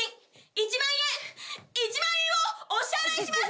１万円をお支払いします！